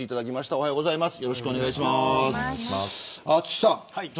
おはようございます。